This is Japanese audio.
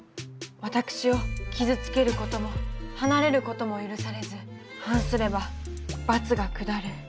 私を傷つけることも離れることも許されず反すれば罰が下る。